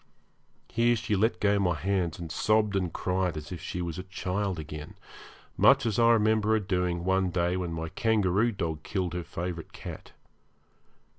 Here she let go my hands, and sobbed and cried as if she was a child again, much as I remember her doing one day when my kangaroo dog killed her favourite cat.